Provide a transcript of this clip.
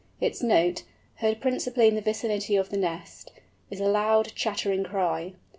Its note, heard principally in the vicinity of the nest, is a loud, chattering cry.